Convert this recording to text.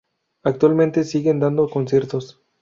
Actualmente siguen dando conciertos.